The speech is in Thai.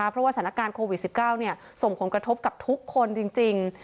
เพราะว่าสถานการณ์โควิดสิบเก้าเนี่ยส่งผลกระทบกับทุกคนจริงจริง